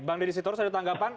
bang deddy sitorus ada tanggapan